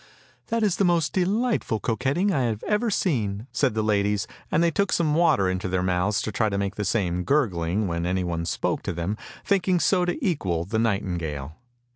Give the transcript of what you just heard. " That is the most delightful coquetting I have ever seen! " said the ladies, and they took some water into their mouths to try and make the same gurgling, when anyone spoke to them, thinking so to equal the nightingale.